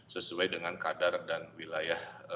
sesuai dengan kadar dan wilayah